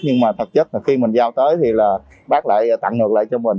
nhưng mà thật chất là khi mình giao tới thì là bác lại tặng ngược lại cho mình